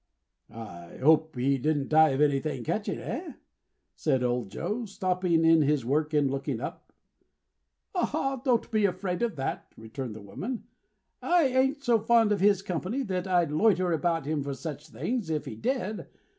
"I hope he didn't die of anything catching? Eh?" said old Joe, stopping in his work, and looking up. "Don't you be afraid of that," returned the woman. "I an't so fond of his company that I'd loiter about him for such things, if he did.